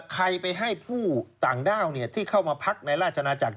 ใครไปให้ผู้ต่างด้าวที่เข้ามาพักในราชนาจักร